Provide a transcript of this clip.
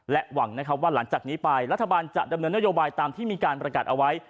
หวังนะครับว่าหลังจากนี้ไปรัฐบาลจะดำเนินนโยบายตามที่มีการประกาศเอาไว้